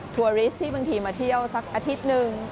ทัวริสที่บางทีมาเที่ยวสักอาทิตย์หนึ่ง